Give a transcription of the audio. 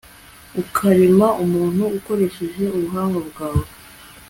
ukarema umuntu ukoresheje ubuhanga bwawe